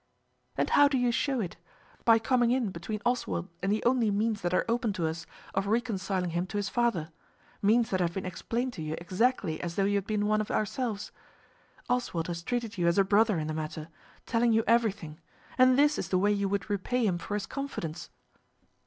"And how do you show it? by coming in between Oswald and the only means that are open to us of reconciling him to his father; means that have been explained to you exactly as though you had been one of ourselves. Oswald has treated you as a brother in the matter, telling you everything, and this is the way you would repay him for his confidence!"